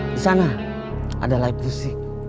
di sana ada live dc